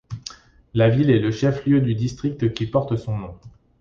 La ville est le chef-lieu du district qui porte son nom.